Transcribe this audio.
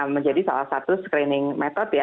menjadi salah satu screening method